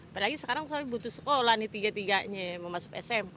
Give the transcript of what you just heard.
apalagi sekarang saya butuh sekolah nih tiga tiganya mau masuk sma